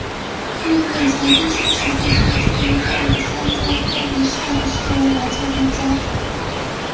运用层递修辞必须注意要有三件或以上的事物来作比较。